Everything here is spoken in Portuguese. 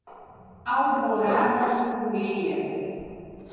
Alvorada do Gurgueia